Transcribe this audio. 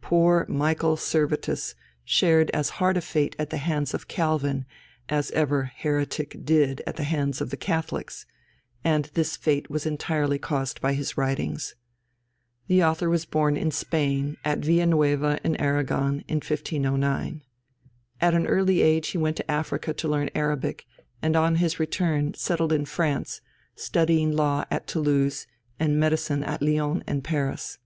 Poor Michael Servetus shared as hard a fate at the hands of Calvin, as ever "heretic" did at the hands of the Catholics; and this fate was entirely caused by his writings. This author was born in Spain, at Villaneuva in Arragon, in 1509. At an early age he went to Africa to learn Arabic, and on his return settled in France, studying law at Toulouse, and medicine at Lyons and Paris.